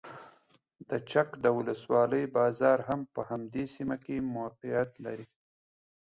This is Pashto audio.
د چک د ولسوالۍ بازار هم په همدې سیمه کې موقعیت لري.